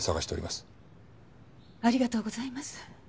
ありがとうございます。